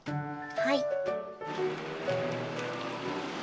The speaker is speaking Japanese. はい。